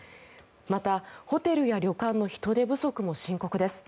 またホテルや旅館の人手不足も深刻です。